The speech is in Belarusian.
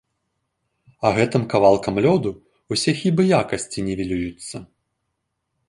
А гэтым кавалкам лёду ўсе хібы якасці нівелююцца.